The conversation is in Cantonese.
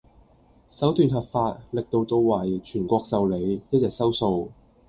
手段合法!力度到位!全國受理!一日收數!